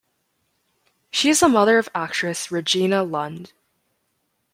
She is the mother of actress Regina Lund.